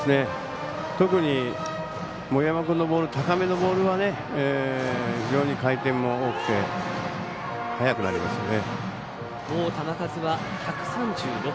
特に森山君のボール高めのボールが非常に回転も多くて早くなりますよね。